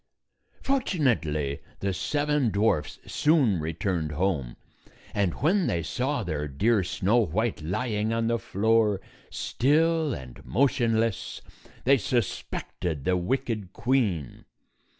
Fortunately, the seven dwarfs soon returned home, and when they saw their dear Snow White lying on the floor, still and motionless, they suspected the wicked queen.